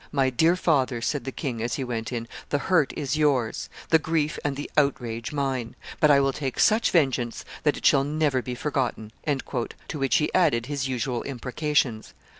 "My dear father," said the king, as he went in, "the hurt is yours; the grief and the outrage mine; but I will take such vengeance that it shall never be forgotten;" to which he added his usual imprecations.